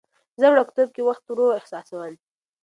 زه وړوکتوب کې وخت ورو احساسوم.